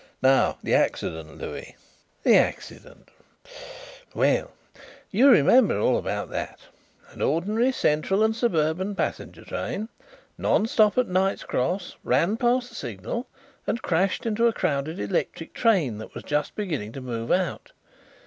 Now the accident, Louis." "The accident: well, you remember all about that. An ordinary Central and Suburban passenger train, non stop at Knight's Cross, ran past the signal and crashed into a crowded electric train that was just beginning to move out.